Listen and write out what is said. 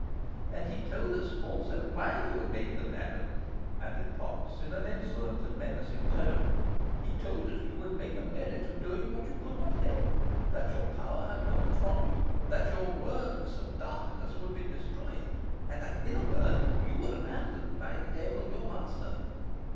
"And he told us also why you would make them, madam," added Potts, in an insolent and menacing tone; "he told us you would make a merit of doing what you could not help that your power had gone from you that your works of darkness would be destroyed and that, in a word, you were abandoned by the devil, your master."